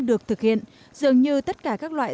được thực hiện dường như tất cả các loại